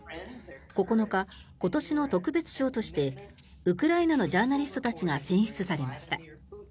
９日、今年の特別賞としてウクライナのジャーナリストたちが選出されました。